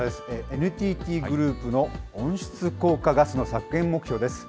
ＮＴＴグループの温室効果ガスの削減目標です。